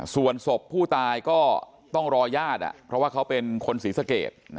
ส่วนศพผู้ตายก็ต้องรอญาติเพราะว่าเขาเป็นคนศรีสเกต